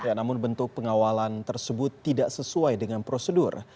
ya namun bentuk pengawalan tersebut tidak sesuai dengan prosedur